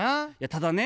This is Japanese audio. ただね